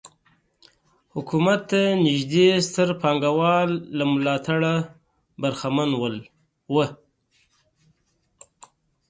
حکومت ته نږدې ستر پانګوال له ملاتړه برخمن وو.